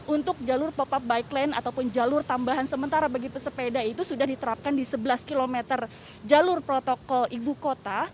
untuk jalur pop up bike lane ataupun jalur tambahan sementara bagi pesepeda itu sudah diterapkan di sebelas km jalur protokol ibu kota